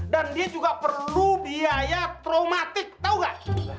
dan dia juga perlu biaya traumatik tau gak